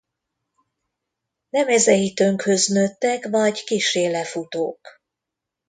Lemezei tönkhöz nőttek vagy kissé lefutók.